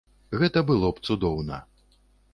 Гэта было б цудоўна.